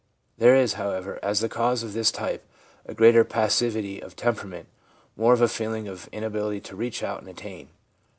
There is, however, as the cause of this type, a greater passivity of temperament, more of a feeling of inability to reach out and attain.